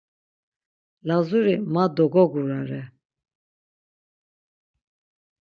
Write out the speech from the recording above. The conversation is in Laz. Lazuri ma dogogurare.